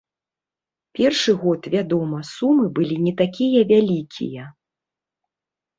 Першы год, вядома, сумы былі не такія вялікія.